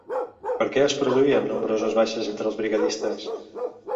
Per què es produïen nombroses baixes entre els brigadistes?